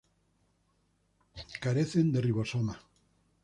Carecen de ribosomas.